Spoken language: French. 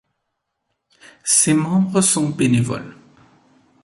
Ses membres sont bénévoles.